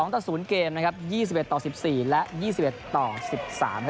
๒ต่อ๐เกมนะครับ